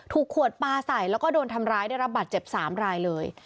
ขวดปลาใส่แล้วก็โดนทำร้ายได้รับบาดเจ็บ๓รายเลย